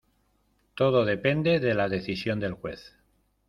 Todo depende de la decisión del juez.